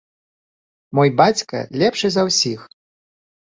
Мой бацька лепшы за ўсіх!